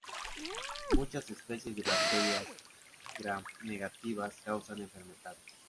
Muchas especies de bacterias gramnegativas causan enfermedades.